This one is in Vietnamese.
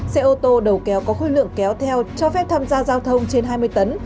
xe ô tô đầu kéo có khối lượng kéo theo cho phép tham gia giao thông trên hai mươi tấn